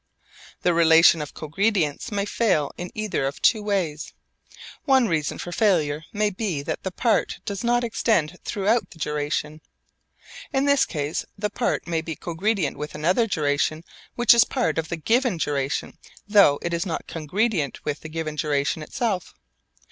The relation of cogredience may fail in either of two ways. One reason for failure may be that the part does not extend throughout the duration. In this case the part may be cogredient with another duration which is part of the given duration, though it is not cogredient with the given duration itself.